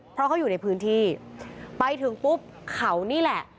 เพราะเขาอยู่ในพื้นที่ไปถึงปุ๊บเขานี่แหละ